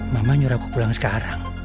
mama nyuruh aku pulang sekarang